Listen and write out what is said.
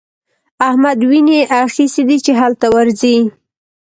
احمد ويني اخيستی دی چې هلته ورځي.